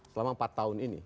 selama empat tahun ini